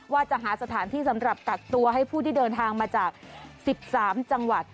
ว่าจะหาสถานที่สำหรับกักตัวให้ผู้ที่เดินทางมาจาก๑๓จังหวัด